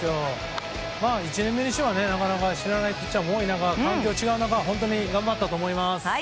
１年目にしてはなかなか知らないピッチャーで環境が違う中本当に頑張ったと思います。